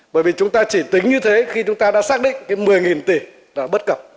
bởi vì chúng ta chỉ tính như thế khi chúng ta đã xác định cái một mươi tỷ là bất cập